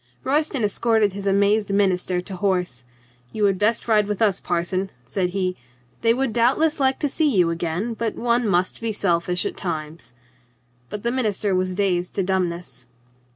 Royston escorted his amazed minister to horse. "You had best ride with us, parson," said he. "They would doubtless like to see you again, but one must be selfish at times." But the minister was dazed to dumbness.